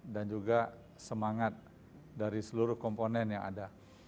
dan juga semangat dari seluruh komponen yang ada